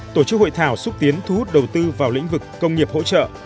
tổ chức hội thảo xúc tiến thu hút đầu tư vào lĩnh vực công nghiệp hỗ trợ